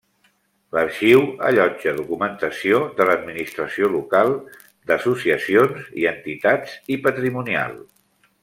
L'arxiu allotja documentació de l'administració local, d'associacions i entitats i patrimonial.